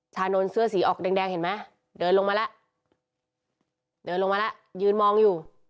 นนท์เสื้อสีออกแดงเห็นไหมเดินลงมาแล้วเดินลงมาแล้วยืนมองอยู่